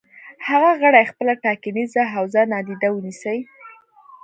هغه غړي خپله ټاکنیزه حوزه نادیده ونیسي.